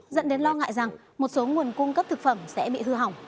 dẫn đến lo ngại rằng một số nguồn cung cấp thực phẩm sẽ bị hư hỏng